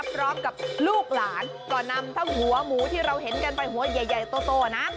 พร้อมกับลูกหลานก็นำทั้งหัวหมูที่เราเห็นกันไปหัวใหญ่โตนะ